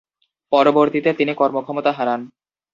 পরবর্তীতে, তিনি কর্মক্ষমতা হারান।